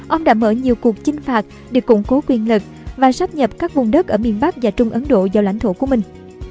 ông đã mở nhiều cuộc chinh phạt để củng cố quyền lực và sắp nhập các vùng đất ở miền bắc và trung ấn độ vào lãnh thổ của mình